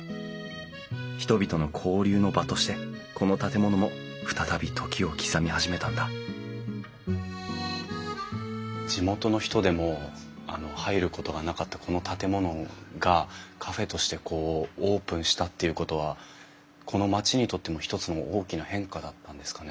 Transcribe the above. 人々の交流の場としてこの建物も再び時を刻み始めたんだ地元の人でも入ることがなかったこの建物がカフェとしてオープンしたっていうことはこの町にとっても一つの大きな変化だったんですかね。